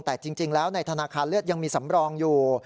แต่จริงแล้วในธนาคารเลือดยังมีสำรองอยู่